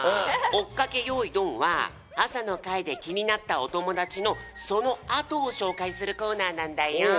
「おっかけよーいどん！」は朝の会できになったおともだちのそのあとをしょうかいするコーナーなんだよ。